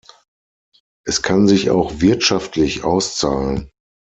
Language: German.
Es kann sich auch wirtschaftlich auszahlen.